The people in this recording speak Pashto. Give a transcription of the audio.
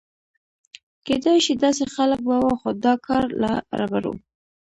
کېدای شي داسې خلک به و، خو دا کار له ربړو.